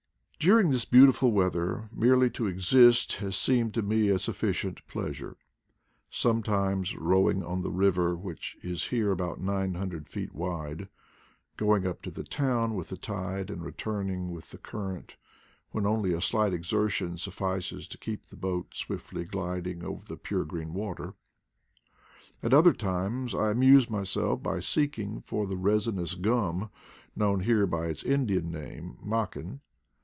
During this beautiful weather merely to exist has seemed to me a sufficient pleasure : sometimes rowing on the river, which is here about nine hundred feet wide — going up to the town with the tide and returning with the current when only a slight exertion suffices to keep the boat swiftly gliding over the pure green water. At other times I amuse myself by seeking for the IDLE DATS 125 resinous gum, known here by its Indian name v mdken.